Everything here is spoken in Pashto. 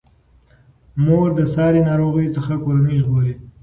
مور د ساري ناروغیو څخه کورنۍ ژغوري.